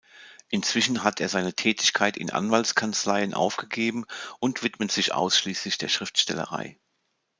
Inzwischen hat er seine Tätigkeit in Anwaltskanzleien aufgegeben und widmet sich ausschließlich der Schriftstellerei.